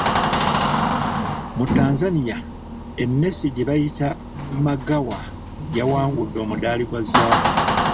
Mu Tanzania emmese gye bayita Magawa yawangudde omuddaali gwa zaabu.